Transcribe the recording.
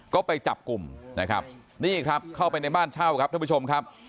ก็ไปจับกลุ่มนะครับนี่ครับเข้าไปในบ้านเช่าครับท่านผู้ชมครับ